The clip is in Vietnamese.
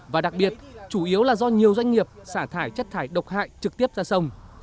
và đặc biệt chủ yếu là do nhiều doanh nghiệp xả thải chất thải độc hại trực tiếp ra sông